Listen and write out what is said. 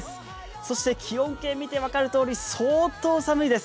そして気温計を見て分かるとおり、相当寒いです。